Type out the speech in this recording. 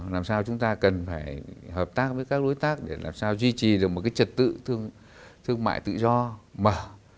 làm sao chúng ta cần phải hợp tác với các đối tác để làm sao duy trì được một cái trật tự thương mại tự do mở